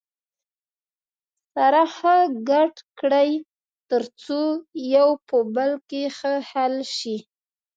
سره ښه ګډ کړئ تر څو یو په بل کې ښه حل شي.